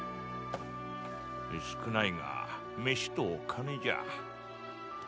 少ないがメシと金じゃ。